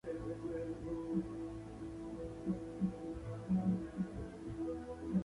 La publicación se encuentra asociada a la Asociación Nacional de la Prensa.